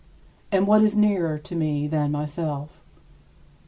And what is nearer to me than myself?